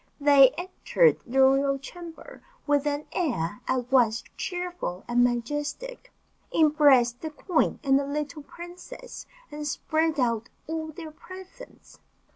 They entered the royal chamber with an air at once cheerful and majestic, embraced the queen and the little princess, and spread out all their presents.